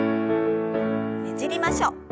ねじりましょう。